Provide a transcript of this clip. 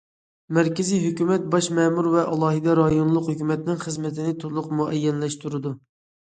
مەركىزىي ھۆكۈمەت باش مەمۇر ۋە ئالاھىدە رايونلۇق ھۆكۈمەتنىڭ خىزمىتىنى تولۇق مۇئەييەنلەشتۈرىدۇ.